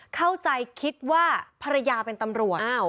เข้าใจคิดว่าภรรยาเป็นตำรวจ